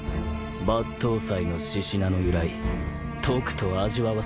抜刀斎の志士名の由来とくと味わわせてやる。